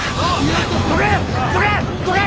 どけ！